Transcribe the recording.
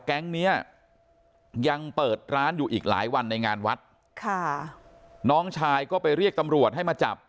แก๊งเนี้ยยังเปิดร้านอยู่อีกหลายวันในงานวัดค่ะน้องชายก็ไปเรียกตำรวจให้มาจับ